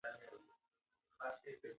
ایا پښتو هویت پیاوړی کوي؟